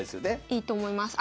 いいと思います。